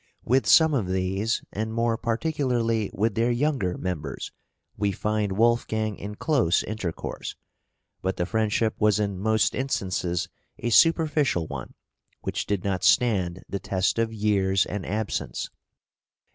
With some of these, and more particularly with their younger members, we find Wolfgang in close intercourse, but the friendship was in most instances a superficial one, which did not stand the test of years and absence.